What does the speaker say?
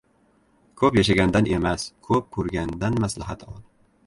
• Ko‘p yashagandan emas, ko‘p ko‘rgandan maslahat ol.